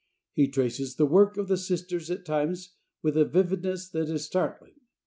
He traces the work of the Sisters at times with a vividness that is startling.